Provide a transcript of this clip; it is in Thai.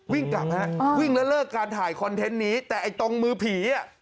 วิ่งกลับฮะวิ่งแล้วเลิกการถ่ายคอนเทนต์นี้แต่ไอ้ตรงมือผีอ่ะ